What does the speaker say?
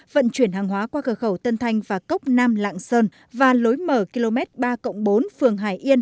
vận chuyển hàng hóa qua cửa khẩu tân thanh và cốc nam lạng sơn và lối mở km ba bốn phường hải yên